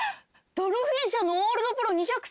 ドルフィン社のオールドプロ２３０？